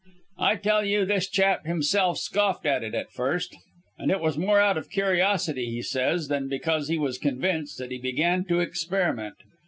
I tell you, this chap himself scoffed at it at first; and it was more out of curiosity, he says, than because he was convinced, that he began to experiment.